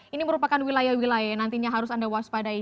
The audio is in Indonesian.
ini merupakan wilayah wilayah yang nantinya harus anda waspadai